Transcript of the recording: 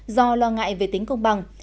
do lo ngại về tính công